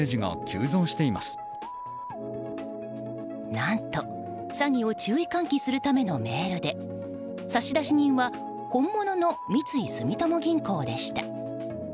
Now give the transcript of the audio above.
何と、詐欺を注意喚起するためのメールで差出人は本物の三井住友銀行でした。